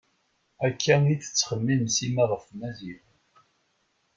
Akka i tettxemmim Sima ɣef Maziɣ.